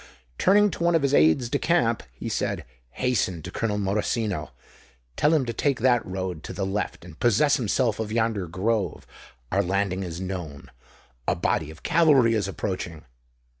Turning to one of his aides de camp, he said, "Hasten to Colonel Morosino—tell him to take that road to the left and possess himself of yonder grove. Our landing is known—a body of cavalry is approaching."